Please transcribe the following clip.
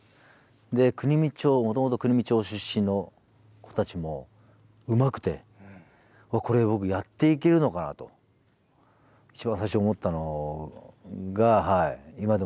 で国見町もともと国見町出身の子たちもうまくてこれ僕やっていけるのかなと一番最初に思ったのが今でも思い出せますね。